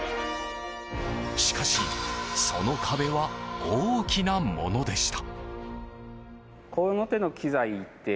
しかし、その壁は大きなものでした。